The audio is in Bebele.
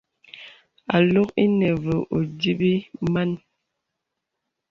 Ālok inə və ódǐbī mān.